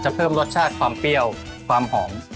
เพิ่มรสชาติความเปรี้ยวความหอม